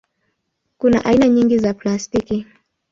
Kuna aina nyingi za plastiki.